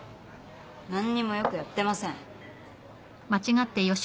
何にもよくやってません。